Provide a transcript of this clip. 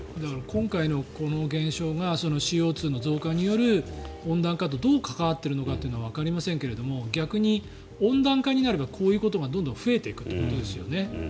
今回のこの現象がＣＯ２の増加による温暖化とどう関わっているかはわかりませんが逆に温暖化になればこういうことがどんどん増えていくということですよね。